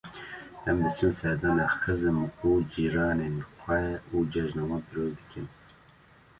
Em diçin serdana xizim û cîranên xwe û cejna wan pîroz dikin.